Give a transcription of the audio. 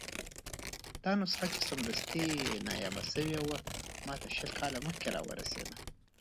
دا نسخه چې سمدستي نایابه شوې وه، ماته شل کاله مخکې راورسېده.